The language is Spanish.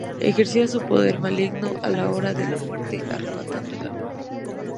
Ejercía su poder maligno a la hora de la muerte arrebatando el alma.